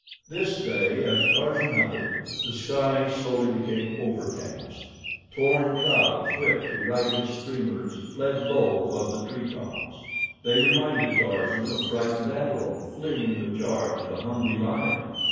This day, as Tarzan hunted, the sky slowly became overcast. Torn clouds, whipped to ragged streamers, fled low above the tree tops. They reminded Tarzan of frightened antelope fleeing the charge of a hungry lion.